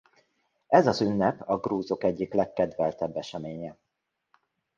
Ez az ünnep a grúzok egyik legkedveltebb eseménye.